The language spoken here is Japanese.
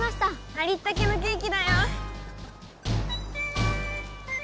ありったけのケーキだよ！